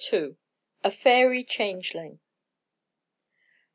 A FAIRY CHANGELING.